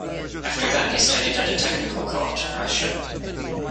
After that, he studied at a technical college in Russia.